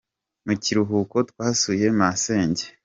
Mukiruhuko twasuye masenge.